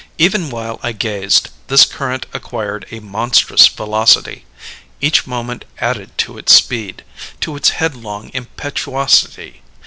Even while I gazed, this current acquired a monstrous velocity. Each moment added to its speed to its headlong impetuosity.